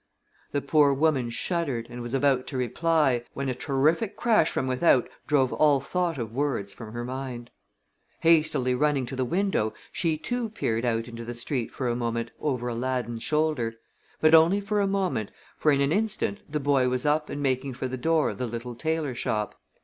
The poor woman shuddered and was about to reply, when a terrific crash from without drove all thought of words from her mind. Hastily running to the window, she, too, peered out into the street for a moment over Aladdin's shoulder, but only for a moment, for in an instant the boy was up and making for the door of the little tailor shop.